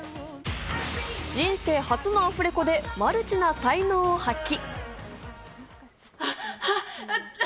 人生初のアフレコでマルチな才能を発揮。